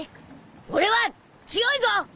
俺は強いぞ！